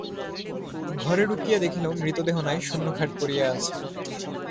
ঘরে ঢুকিয়া দেখিল মৃতদেহ নাই, শূন্য খাট পড়িয়া আছে।